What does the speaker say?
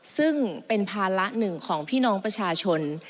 ซึ่งเป็นภาระหนึ่งของพี่น้องประชาชน